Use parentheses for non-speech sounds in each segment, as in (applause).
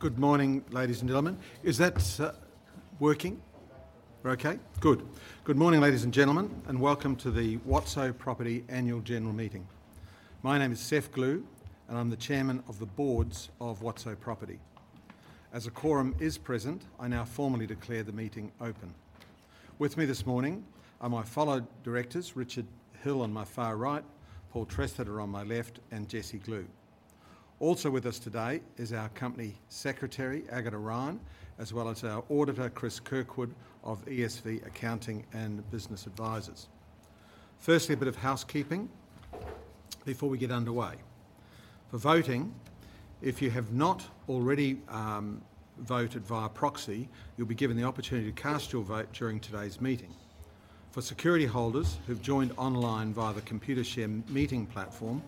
Good morning, ladies and gentlemen. Is that working? We're okay? Good. Good morning, ladies and gentlemen, and welcome to the WOTSO Property Annual General Meeting. My name is Seph Glew, and I'm the Chairman of the Board of WOTSO Property. As the quorum is present, I now formally declare the meeting open. With me this morning are my fellow Directors, Richard Hill on my far right, Paul Tresidder on my left, and Jessie Glew. Also with us today is our Company Secretary, Agata Ryan, as well as our Auditor, Chris Kirkwood, of ESV Accounting and Business Advisors. Firstly, a bit of housekeeping before we get underway. For voting, if you have not already voted via proxy, you'll be given the opportunity to cast your vote during today's meeting. For security holders who've joined online via the Computershare meeting platform,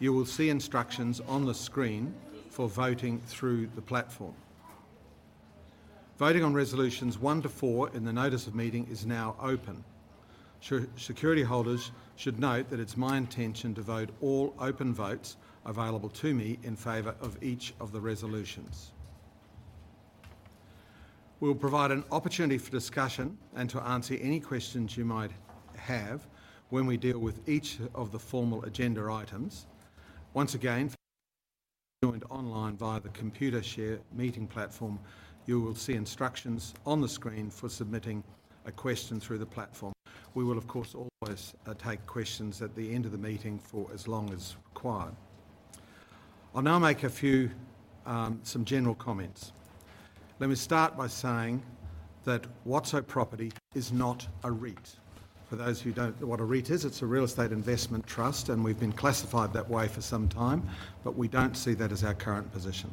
you will see instructions on the screen for voting through the platform. Voting on Resolutions 1-4 in the Notice of Meeting is now open. Security holders should note that it's my intention to vote all open votes available to me in favor of each of the resolutions. We'll provide an opportunity for discussion and to answer any questions you might have when we deal with each of the formal agenda items. Once again, for (audio distortion) joined online via the Computershare meeting platform, you will see instructions on the screen for submitting a question through the platform. We will, of course, always take questions at the end of the meeting for as long as required. I'll now make a few, some general comments. Let me start by saying that WOTSO Property is not a REIT. For those who don't know what a REIT is, it's a Real Estate Investment Trust, and we've been classified that way for some time, but we don't see that as our current position.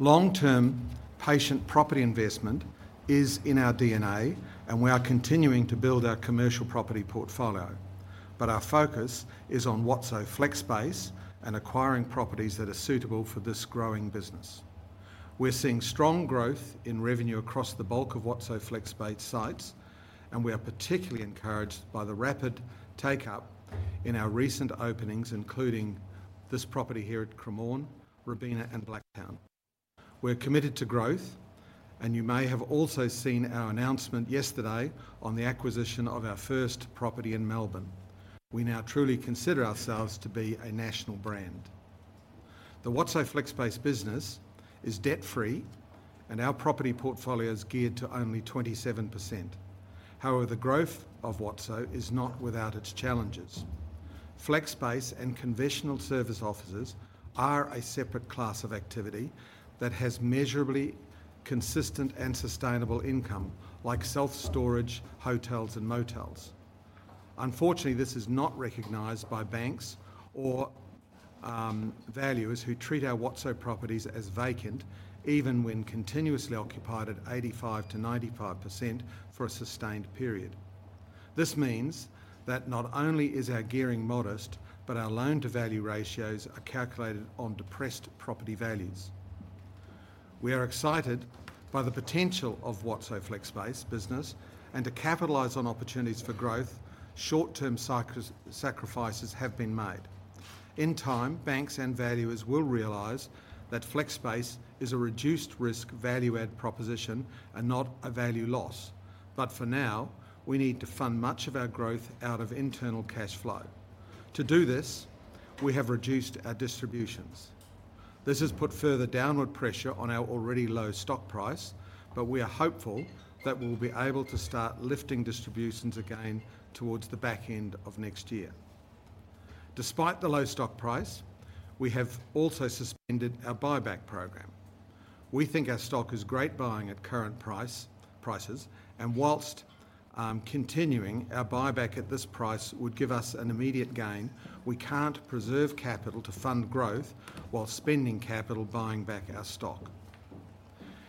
Long-term, patient property investment is in our DNA, and we are continuing to build our commercial property portfolio, but our focus is on WOTSO Flexspace and acquiring properties that are suitable for this growing business. We're seeing strong growth in revenue across the bulk of WOTSO Flexspace sites, and we are particularly encouraged by the rapid take-up in our recent openings, including this property here at Cremorne, Robina, and Blacktown. We're committed to growth, and you may have also seen our announcement yesterday on the acquisition of our first property in Melbourne. We now truly consider ourselves to be a national brand. The WOTSO Flexspace business is debt-free, and our property portfolio is geared to only 27%. However, the growth of WOTSO is not without its challenges. Flex space and conventional service offices are a separate class of activity that has measurably consistent and sustainable income, like self-storage, hotels, and motels. Unfortunately, this is not recognized by banks or valuers who treat our WOTSO properties as vacant, even when continuously occupied at 85%-95% for a sustained period. This means that not only is our gearing modest, but our loan-to-value ratios are calculated on depressed property values. We are excited by the potential of WOTSO Flexspace business, and to capitalize on opportunities for growth, short-term sacrifices have been made. In time, banks and valuers will realize that Flexspace is a reduced-risk value-add proposition and not a value loss, but for now, we need to fund much of our growth out of internal cash flow. To do this, we have reduced our distributions. This has put further downward pressure on our already-low stock price, but we are hopeful that we'll be able to start lifting distributions again towards the back end of next year. Despite the low stock price, we have also suspended our buyback program. We think our stock is great buying at current prices, and whilst continuing our buyback at this price would give us an immediate gain, we can't preserve capital to fund growth while spending capital buying back our stock.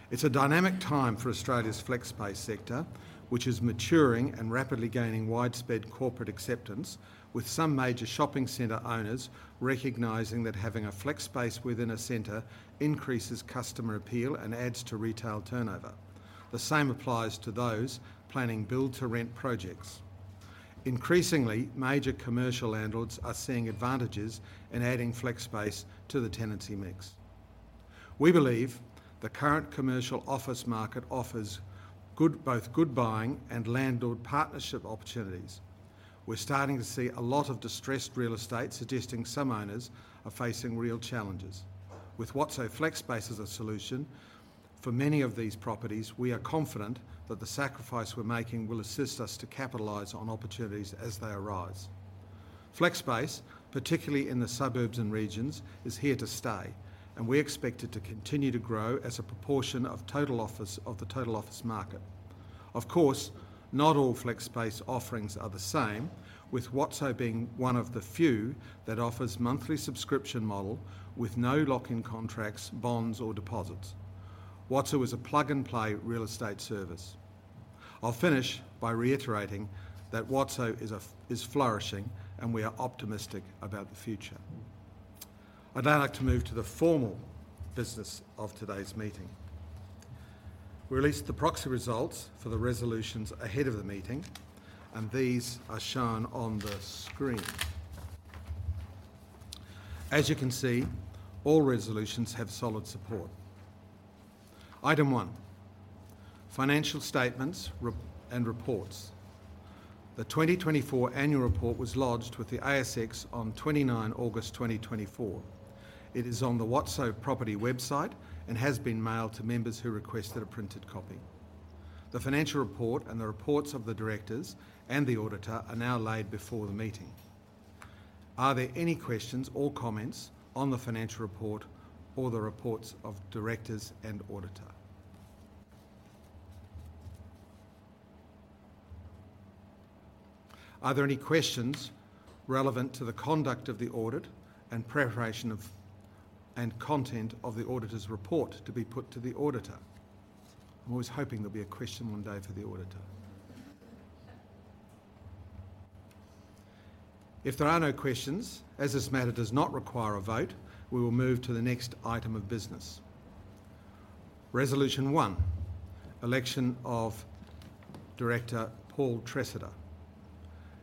It's a dynamic time for Australia's flex space sector, which is maturing and rapidly gaining widespread corporate acceptance, with some major shopping centre owners recognizing that having a flex space within a centre increases customer appeal and adds to retail turnover. The same applies to those planning build-to-rent projects. Increasingly, major commercial landlords are seeing advantages in adding flex space to the tenancy mix. We believe the current commercial office market offers both good buying and landlord partnership opportunities. We're starting to see a lot of distressed real estate, suggesting some owners are facing real challenges. With WOTSO Flexspace as a solution for many of these properties, we are confident that the sacrifice we're making will assist us to capitalize on opportunities as they arise. Flexspace, particularly in the suburbs and regions, is here to stay, and we expect it to continue to grow as a proportion of the total office market. Of course, not all Flexspace offerings are the same, with WOTSO being one of the few that offers a monthly subscription model with no lock-in contracts, bonds, or deposits. WOTSO is a plug-and-play real estate service. I'll finish by reiterating that WOTSO is flourishing, and we are optimistic about the future. I'd now like to move to the formal business of today's meeting. We released the proxy results for the resolutions ahead of the meeting, and these are shown on the screen. As you can see, all resolutions have solid support. Item 1, Financial Statements and Reports. The 2024 annual report was lodged with the ASX on 29 August 2024. It is on the WOTSO Property website and has been mailed to members who requested a printed copy. The financial report and the reports of the Directors and the Auditor are now laid before the meeting. Are there any questions or comments on the financial report or the reports of Directors and Auditor? Are there any questions relevant to the conduct of the audit and preparation of and content of the Auditor's report to be put to the Auditor? I'm always hoping there'll be a question one day for the Auditor. If there are no questions, as this matter does not require a vote, we will move to the next item of business. Resolution 1, election of Director Paul Tresidder.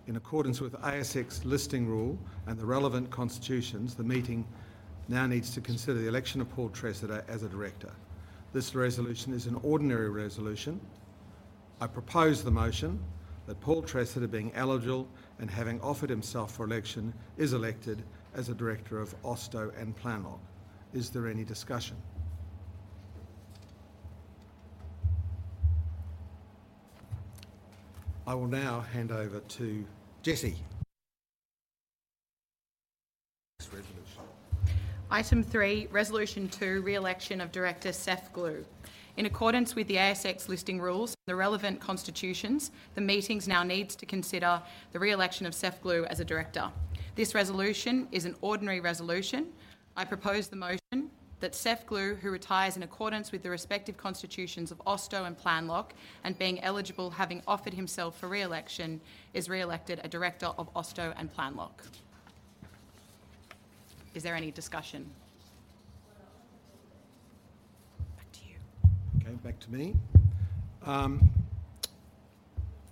In accordance with ASX Listing Rule and the relevant constitutions, the meeting now needs to consider the election of Paul Tresidder as a director. This resolution is an ordinary resolution. I propose the motion that Paul Tresidder, being eligible and having offered himself for election, is elected as a Director of Ostow and Planloc. Is there any discussion? I will now hand over to Jessie. Item 3, Resolution 2, Re-election of Director Seph Glew. In accordance with the ASX listing rules and the relevant constitutions, the meeting now needs to consider the re-election of Seph Glew as a director. This resolution is an ordinary resolution. I propose the motion that Seph Glew, who retires in accordance with the respective constitutions of Ostow and Planloc, and being eligible, having offered himself for re-election, is re-elected a Director of Ostow and Planloc. Is there any discussion? Back to you. Okay, back to me.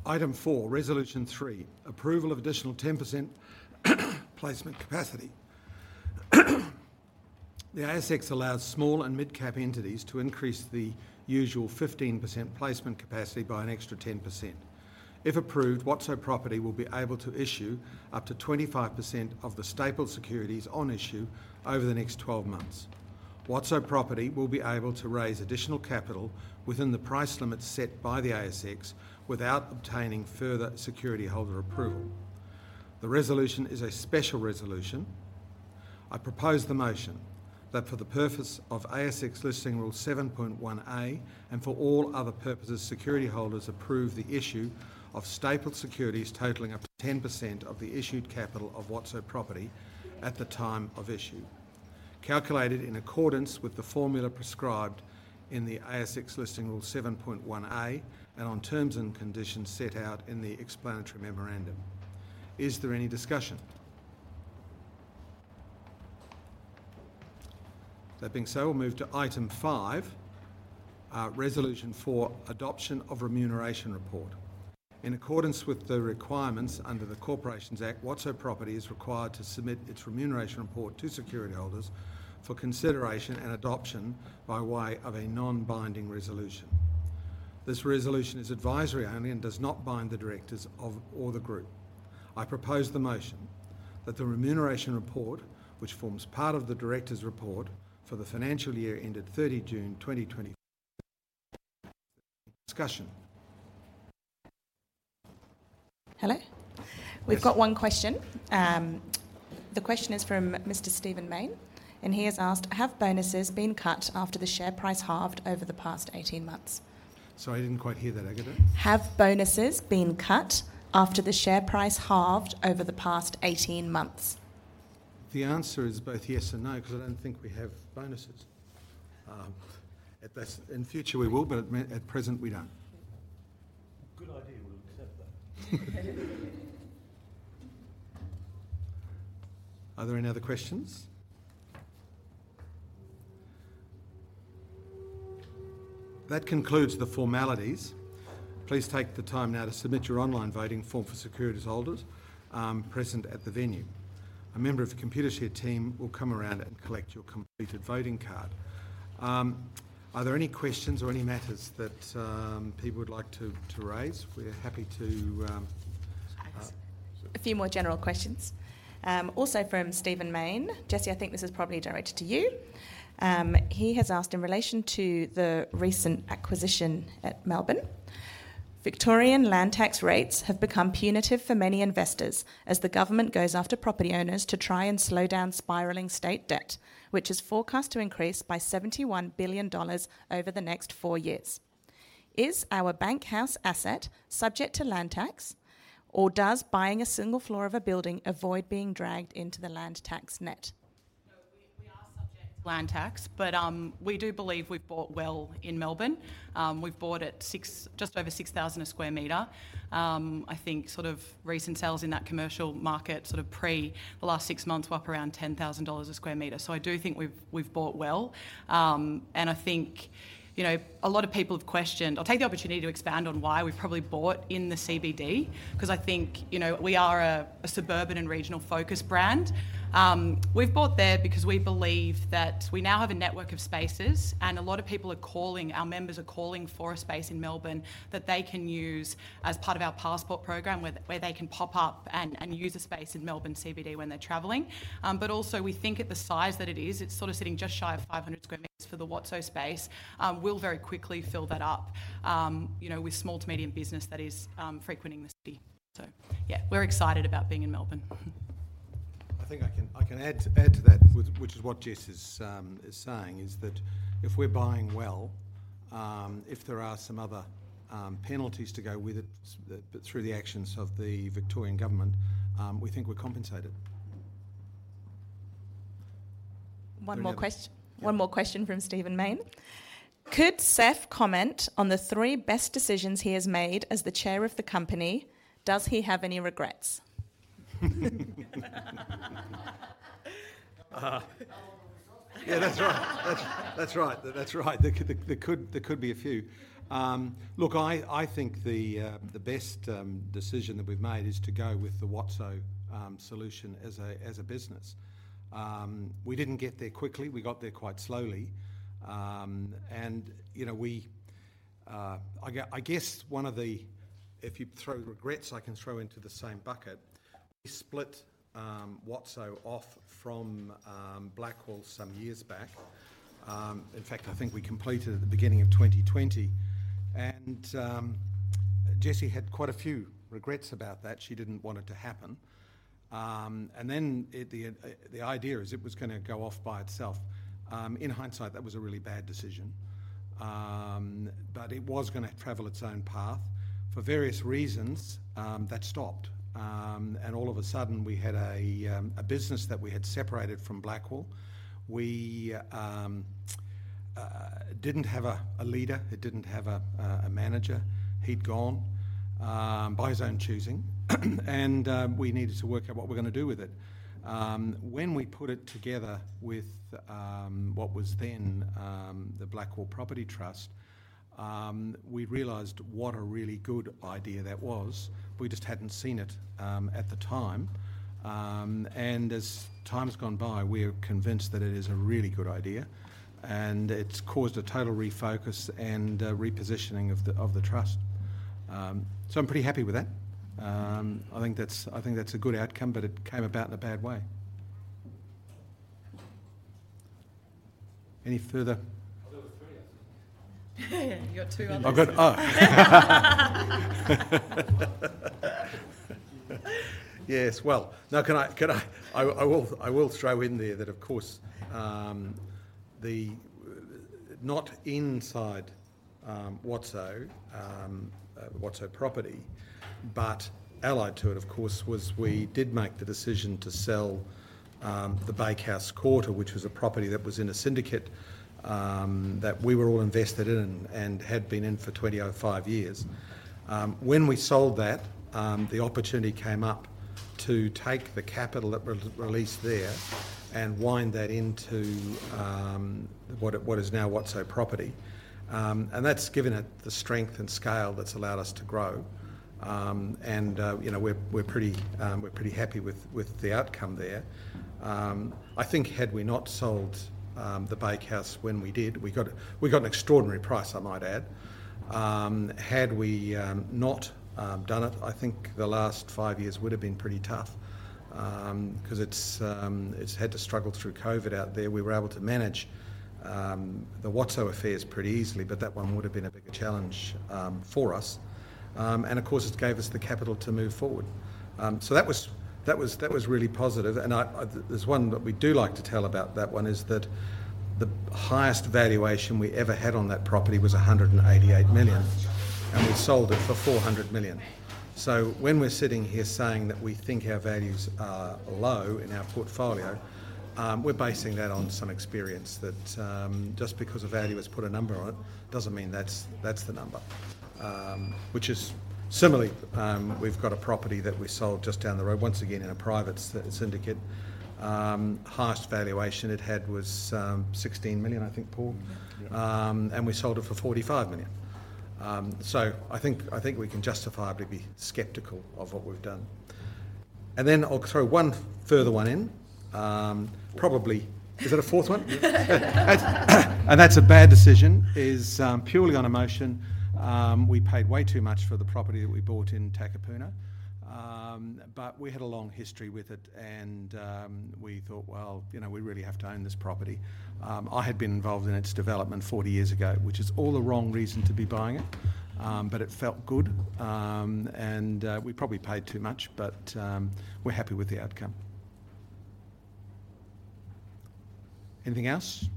Item 4, Resolution 3, Approval of Additional 10% Placement Capacity. The ASX allows small and mid-cap entities to increase the usual 15% placement capacity by an extra 10%. If approved, WOTSO Property will be able to issue up to 25% of the stapled securities on issue over the next 12 months. WOTSO Property will be able to raise additional capital within the price limits set by the ASX without obtaining further security holder approval. The resolution is a special resolution. I propose the motion that for the purpose of ASX listing rule 7.1A and for all other purposes, security holders approve the issue of stapled securities totalling up to 10% of the issued capital of WOTSO Property at the time of issue, calculated in accordance with the formula prescribed in the ASX listing rule 7.1A and on terms and conditions set out in the explanatory memorandum. Is there any discussion? That being so, we'll move to Item 5, Resolution 4, Adoption of Remuneration Report. In accordance with the requirements under the Corporations Act, WOTSO Property is required to submit its remuneration report to security holders for consideration and adoption by way of a non-binding resolution. This resolution is advisory only and does not bind the directors or the group. I propose the motion that the remuneration report, which forms part of the Director's report for the financial year ended 30 June (audio distortion) discussion. Hello. We've got one question. The question is from Mr. Stephen Mayne, and he has asked, have bonuses been cut after the share price halved over the past 18 months? Sorry, I didn't quite hear that, Agata. Have bonuses been cut after the share price halved over the past 18 months? The answer is both yes and no, because I don't think we have bonuses. In the future, we will, but at present, we don't. Good idea. We'll accept that. Are there any other questions? That concludes the formalities. Please take the time now to submit your online voting form for securities holders present at the venue. A member of the Computershare team will come around and collect your completed voting card. Are there any questions or any matters that people would like to raise? We're happy to. A few more general questions. Also from Stephen Mayne. Jessie, I think this is probably directed to you. He has asked in relation to the recent acquisition at Melbourne. Victorian land tax rates have become punitive for many investors as the government goes after property owners to try and slow down spiraling state debt, which is forecast to increase by 71 billion dollars over the next four years. Is our Bank House asset subject to land tax, or does buying a single floor of a building avoid being dragged into the land tax net? Land tax, but we do believe we've bought well in Melbourne. We've bought at just over 6,000 a sq m. I think sort of recent sales in that commercial market sort of pre the last six months were up around 10,000 dollars a sq m. So I do think we've bought well, and I think a lot of people have questioned. I'll take the opportunity to expand on why we've probably bought in the CBD, because I think we are a suburban and regional-focus brand. We've bought there because we believe that we now have a network of spaces, and a lot of people are calling. Our members are calling for a space in Melbourne that they can use as part of our Passport Program where they can pop up and use a space in Melbourne CBD when they're traveling. But also, we think at the size that it is, it's sort of sitting just shy of 500 sq m for the WOTSO space, we'll very quickly fill that up with small-to-medium business that is frequenting the city, so yeah, we're excited about being in Melbourne. I think I can add to that, which is what Jess is saying, is that if we're buying well, if there are some other penalties to go with it through the actions of the Victorian government, we think we're compensated. One more question. One more question from Stephen Mayne. Could Seph comment on the three best decisions he has made as the Chair of the company? Does he have any regrets? Yeah, that's right. That's right. That's right. There could be a few. Look, I think the best decision that we've made is to go with the WOTSO solution as a business. We didn't get there quickly. We got there quite slowly, and I guess one of the, if you throw regrets, I can throw into the same bucket, we split WOTSO off from BlackWall some years back. In fact, I think we completed it at the beginning of 2020, and Jessie had quite a few regrets about that. She didn't want it to happen, and then the idea is it was going to go off by itself. In hindsight, that was a really bad decision, but it was going to travel its own path. For various reasons, that stopped, and all of a sudden, we had a business that we had separated from BlackWall. We didn't have a leader. It didn't have a manager. He'd gone by his own choosing, and we needed to work out what we're going to do with it. When we put it together with what was then the BlackWall Property Trust, we realized what a really good idea that was. We just hadn't seen it at the time, and as time's gone by, we are convinced that it is a really good idea, and it's caused a total refocus and repositioning of the trust, so I'm pretty happy with that. I think that's a good outcome, but it came about in a bad way. Any further? You got two others. Yeah, as well. I will throw in there that, of course, not inside WOTSO, WOTSO Property, but allied to it, of course, was we did make the decision to sell the Bakehouse Quarter, which was a property that was in a syndicate that we were all invested in and had been in for 25 years. When we sold that, the opportunity came up to take the capital that was released there and wind that into what is now WOTSO Property. And that's given it the strength and scale that's allowed us to grow. And we're pretty happy with the outcome there. I think had we not sold the Bakehouse when we did, we got an extraordinary price, I might add. Had we not done it, I think the last five years would have been pretty tough because it's had to struggle through COVID out there. We were able to manage the WOTSO affairs pretty easily, but that one would have been a bigger challenge for us. And of course, it gave us the capital to move forward. So that was really positive. And there's one that we do like to tell about that one is that the highest valuation we ever had on that property was 188 million, and we sold it for 400 million. So when we're sitting here saying that we think our values are low in our portfolio, we're basing that on some experience that just because a value has put a number on it doesn't mean that's the number. Which is similarly, we've got a property that we sold just down the road, once again in a private syndicate. Highest valuation it had was 16 million, I think, Paul. And we sold it for 45 million. So I think we can justifiably be skeptical of what we've done. And then I'll throw one further one in. Probably. Is it a fourth one? And that's a bad decision. It's purely on emotion. We paid way too much for the property that we bought in Takapuna. But we had a long history with it, and we thought, well, we really have to own this property. I had been involved in its development 40 years ago, which is all the wrong reason to be buying it. But it felt good. And we probably paid too much, but we're happy with the outcome. Anything else?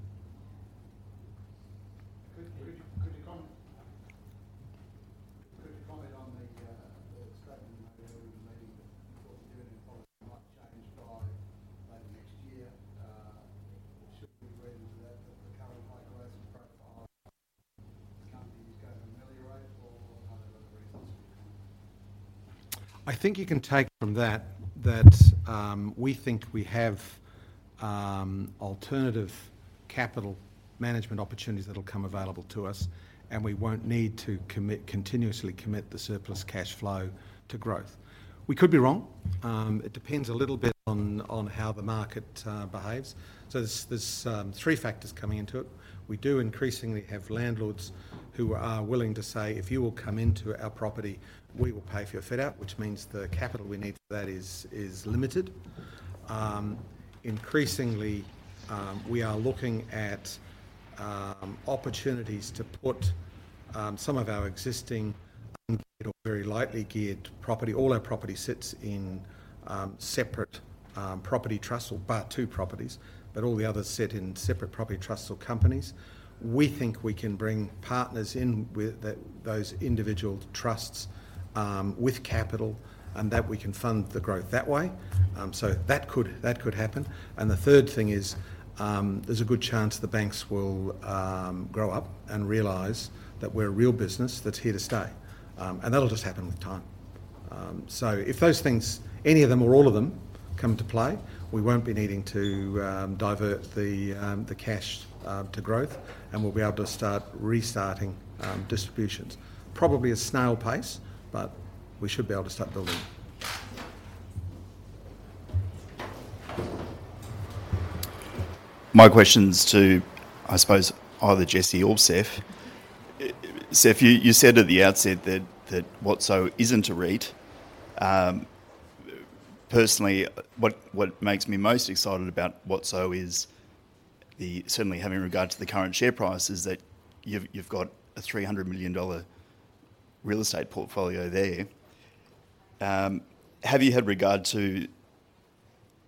Could you comment on the statement (audio distortion) might change by later next year? Should we be ready for that? The current (audio distortion) profile. The company is going to ameliorate, or? (audio distortion) I think you can take from that that we think we have alternative capital management opportunities that will come available to us, and we won't need to continuously commit the surplus cash flow to growth. We could be wrong. It depends a little bit on how the market behaves. So there's three factors coming into it. We do increasingly have landlords who are willing to say, if you will come into our property, we will pay for your fit-out, which means the capital we need for that is limited. Increasingly, we are looking at opportunities to put some of our existing very lightly geared property. All our property sits in separate property trusts or two properties, but all the others sit in separate property trusts or companies. We think we can bring partners in those individual trusts with capital and that we can fund the growth that way. So that could happen. And the third thing is there's a good chance the banks will grow up and realize that we're a real business that's here to stay. And that'll just happen with time. So if those things, any of them or all of them come into play, we won't be needing to divert the cash to growth, and we'll be able to start restarting distributions. Probably at snail pace, but we should be able to start building them. My question's to, I suppose, either Jessie or Seph. Seph, you said at the outset that WOTSO isn't a REIT. Personally, what makes me most excited about WOTSO is, certainly having regard to the current share price, that you've got a 300-million dollar real estate portfolio there. Have you had regard to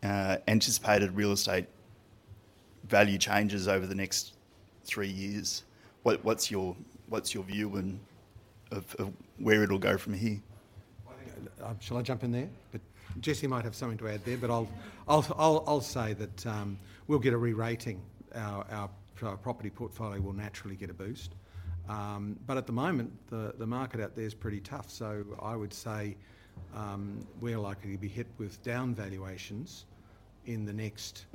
anticipated real estate value changes over the next three years? What's your view of where it'll go from here? Shall I jump in there? Jessie might have something to add there, but I'll say that we'll get a re-rating. Our property portfolio will naturally get a boost, but at the moment, the market out there is pretty tough, so I would say we're likely to be hit with downvaluations in the next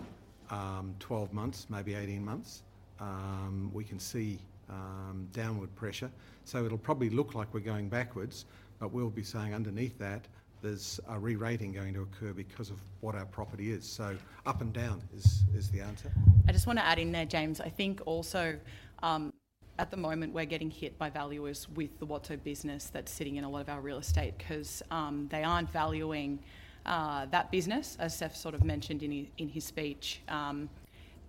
12 months, maybe 18 months. We can see downward pressure, so it'll probably look like we're going backwards, but we'll be saying underneath that there's a re-rating going to occur because of what our property is, so up and down is the answer. I just want to add in there, James. I think also at the moment we're getting hit by valuers with the WOTSO business that's sitting in a lot of our real estate because they aren't valuing that business, as Seph sort of mentioned in his speech.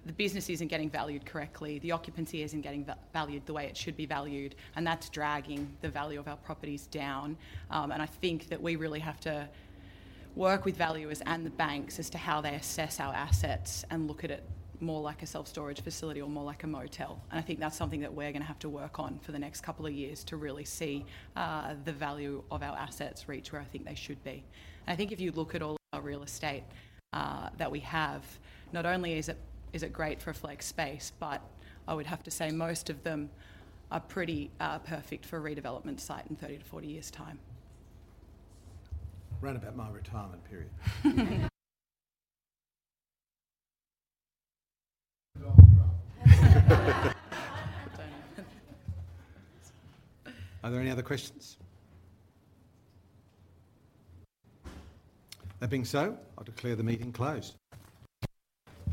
The business isn't getting valued correctly. The occupancy isn't getting valued the way it should be valued, and that's dragging the value of our properties down. And I think that we really have to work with valuers and the banks as to how they assess our assets and look at it more like a self-storage facility or more like a motel. And I think that's something that we're going to have to work on for the next couple of years to really see the value of our assets reach where I think they should be. I think if you look at all our real estate that we have, not only is it great for a flex space, but I would have to say most of them are pretty perfect for a redevelopment site in 30-40 years' time. Round about my retirement period. Are there any other questions? That being so, I'll declare the meeting closed.